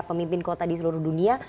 pemimpin kota di seluruh dunia